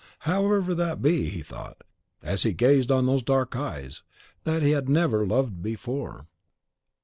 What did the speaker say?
However that be, he thought, as he gazed on those dark eyes, that he had never loved before.